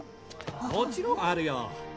もちろんあるよ。